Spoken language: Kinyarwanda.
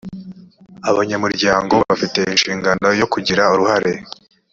abanyamuryango bafite inshingano yo kugira uruhare